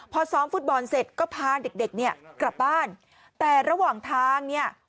พอซ้อมฟุตบอลเสร็จก็พาเด็กเด็กเนี่ยกลับบ้านแต่ระหว่างทางเนี่ย